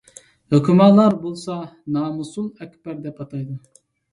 ھۆكۈمالار بولسا نامۇسۇل ئەكبەر دەپ ئاتايدۇ.